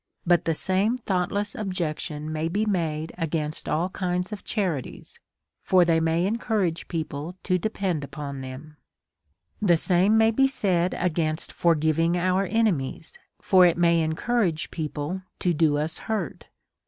But the same thoughtless objection may be made against all kind of charities, for they may encourage people to depend upon thertJ. The same may be said against forgiving our ene mies, for it may encourage people to do us hurt.